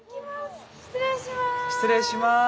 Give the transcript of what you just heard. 失礼します！